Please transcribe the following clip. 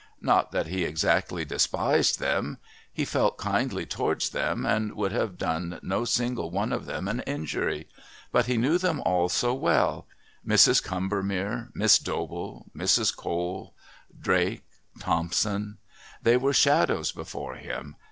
Not that he exactly despised them; he felt kindly towards them and would have done no single one of them an injury, but he knew them all so well Mrs. Combermere, Miss Dobell, Mrs. Cole, Drake, Thompson. They were shadows before him.